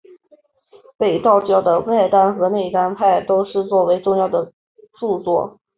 被道教的外丹和内丹派都视为重要的着作。